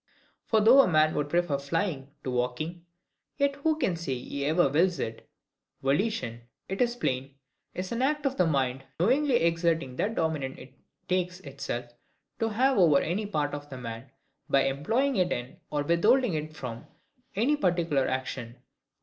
For though a man would prefer flying to walking, yet who can say he ever wills it? Volition, it is plain, is an act of the mind knowingly exerting that dominion it takes itself to have over any part of the man, by employing it in, or withholding it from, any particular action.